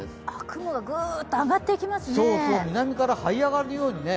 雲がグーっと上がっていきますね。